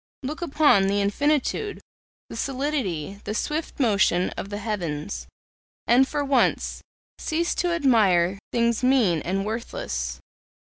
Look upon the infinitude, the solidity, the swift motion, of the heavens, and for once cease to admire things mean and worthless.